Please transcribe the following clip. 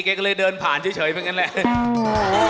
แกก็เลยเดินผ่านเฉยพิกัดแล้ว